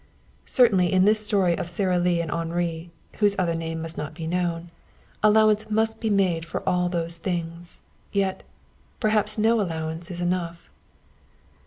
Certainly in this story of Sara Lee and of Henri, whose other name must not be known, allowance must be made for all those things. Yet perhaps no allowance is enough.